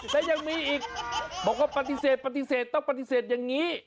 และยังมีอีกบอกว่าปฏิเสธปฏิเสธต้องปฏิเสธอย่างนี้